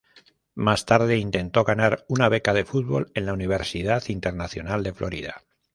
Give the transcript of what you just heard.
Más tarde intentó ganar una beca de fútbol en la Universidad Internacional de Florida.